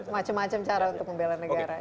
macem macem cara untuk membela negara